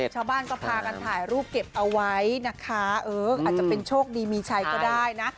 ชาวบ้านก็พากันถ่ายรูปเก็บเอาไว้นะคะเอออาจจะเป็นโชคดีมีชัยก็ได้นะ